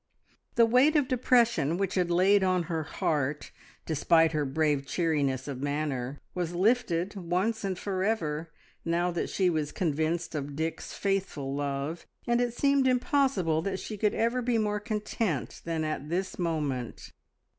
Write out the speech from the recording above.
The weight of depression which had lain on her heart despite her brave cheeriness of manner was lifted once and for ever now that she was convinced of Dick's faithful love, and it seemed impossible that she could ever be more content than at this moment.